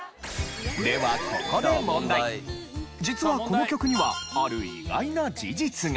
ではここで実はこの曲にはある意外な事実が。